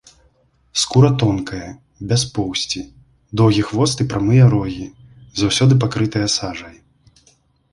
Скура тонкая, без поўсці, доўгі хвост і прамыя рогі, заўсёды пакрытыя сажай.